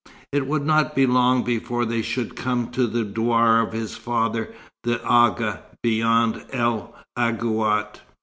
It would not be long now before they should come to the douar of his father the Agha, beyond El Aghouat.